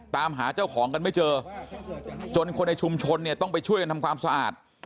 ตามหาเจ้าของกันไม่เจอจนคนในชุมชนเนี่ยต้องไปช่วยกันทำความสะอาด